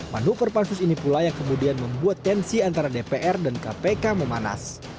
manuver pansus ini pula yang kemudian membuat tensi antara dpr dan kpk memanas